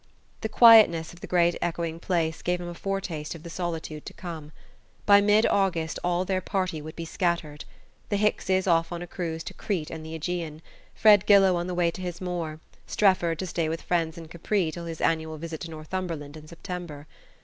The quietness of the great echoing place gave him a foretaste of the solitude to come. By mid August all their party would be scattered: the Hickses off on a cruise to Crete and the AEgean, Fred Gillow on the way to his moor, Strefford to stay with friends in Capri till his annual visit to Northumberland in September.